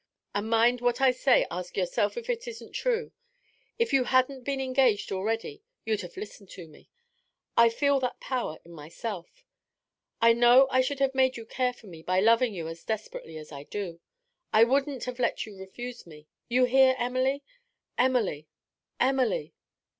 And mind what I say ask yourself if it isn't true. If you hadn't been engaged already, you'd have listened to me; I feel that power in myself; I know I should have made you care for me by loving you as desperately as I do. I wouldn't have let you refuse me you hear, Emily? Emily! Emily!